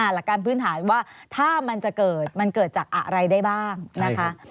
หลักการพื้นฐานว่าถ้ามันจะเกิดมันเกิดจากอะไรได้บ้างนะคะ